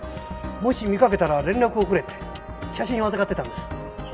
もし見かけたら連絡をくれって写真を預かってたんです。